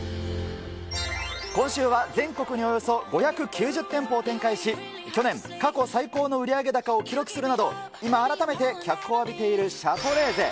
今週は全国におよそ５９０店舗を展開し、去年、過去最高の売上高を記録するなど、今、改めて脚光を浴びているシャトレーゼ。